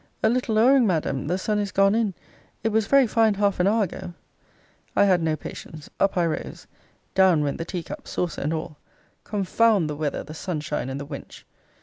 A little lowering, Madam The sun is gone in it was very fine half an hour ago. I had no patience. Up I rose. Down went the tea cup, saucer and all Confound the weather, the sunshine, and the wench!